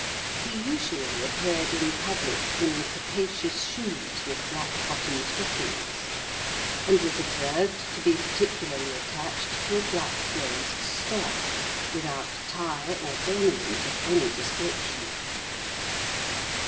He usually appeared in public, in capacious shoes with black cotton stockings ; and was observed to be particularly attached to a black glazed stock, without tie or ornament of any description.